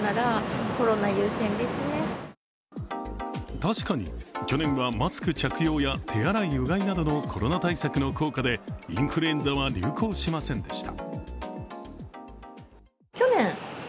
確かに去年はマスク着用や手洗いうがいなどのコロナ対策でインフルエンザは流行しませんでした。